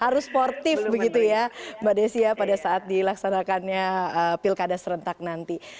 harus sportif begitu ya mbak desi ya pada saat dilaksanakannya pilkada serentak nanti